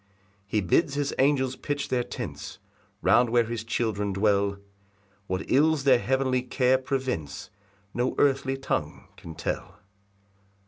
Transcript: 6 He bids his angels pitch their tents Round where his children dwell What ills their heavenly care prevents No earthly tongue can tell.